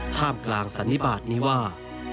ท่ามกลางสันนิบาทนี้ว่า